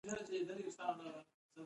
خپلې اوبه بې ځایه مه مصرفوئ.